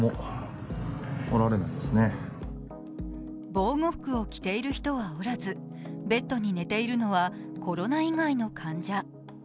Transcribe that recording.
防護服を着ている人はおらずベッドに寝ているのはコロナ以外の患者。